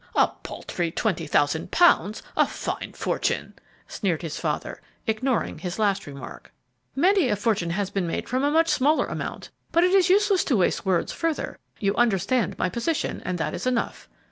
"A paltry twenty thousand pounds! a fine fortune!" sneered his father, ignoring his last remark. "Many a fortune has been made from a much smaller start; but it is useless to waste words further. You understand my position, and that is enough.